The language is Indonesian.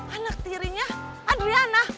anak tirinya adriana